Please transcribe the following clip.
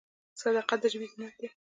صداقت د ژبې زینت دی.